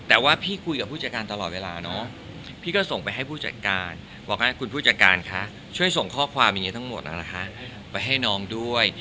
แต่ว่าพี่คุยกับผู้จัดการตลอดเวลาเนอะพี่ก็ส่งไปให้ผู้จัดการบอกให้คุณผู้จัดการคะช่วยส่งข้อความอย่างนี้ทั้งหมดนะคะไปให้น้องด้วย